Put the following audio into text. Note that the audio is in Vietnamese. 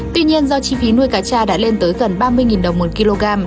tuy nhiên do chi phí nuôi cá cha đã lên tới gần ba mươi đồng một kg